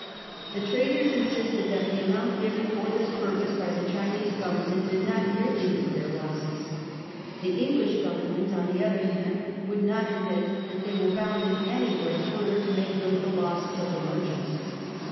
The traders insisted that the amount given for this purpose by the Chinese Government did not nearly meet their losses. The English Government, on the other hand, would not admit that they were bound in any way further to make good the losses of the merchants.